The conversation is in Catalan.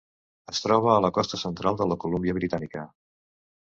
Es troba a la costa central de la Colúmbia Britànica.